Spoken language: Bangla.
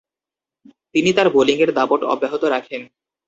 তিনি তার বোলিংয়ের দাপট অব্যাহত রাখেন।